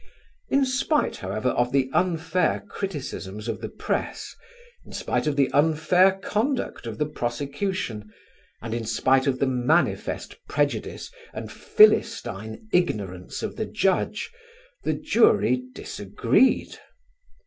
In spite, however, of the unfair criticisms of the press; in spite of the unfair conduct of the prosecution, and in spite of the manifest prejudice and Philistine ignorance of the Judge, the jury disagreed.